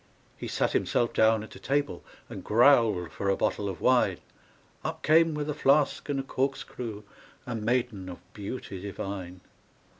He sat himself down at a table, And growled for a bottle of wine; Up came with a flask and a corkscrew A maiden of beauty divine.